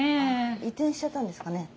移転しちゃったんですかね。